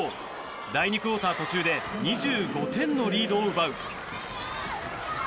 第２クオーター途中で２５点のリードを奪う。